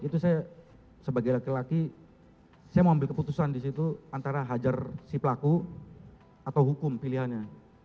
itu saya sebagai laki laki saya mau ambil keputusan di situ antara hajar si pelaku atau hukum pilihannya